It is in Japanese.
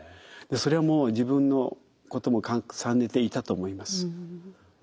それはもう自分のことも重ねていたと思います。